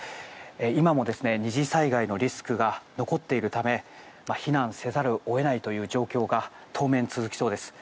今も２次災害のリスクが残っているため避難せざるを得ないという状況が当面続きそうです。